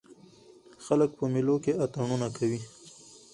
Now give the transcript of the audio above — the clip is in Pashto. خلک په مېلو کښي اتڼونه کوي.